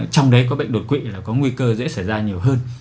trong đấy có bệnh đột quỵ là có nguy cơ dễ xảy ra nhiều hơn